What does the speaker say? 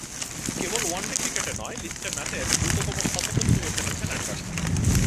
কেবল one day ক্রিকেটে নয়, লিস্টে ম্যাচের দ্রুততম শতকও ছুঁয়ে ফেলেছেন অ্যান্ডারসন।